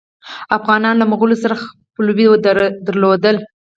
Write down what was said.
افغانانو له مغولو سره خپلوي درلودله.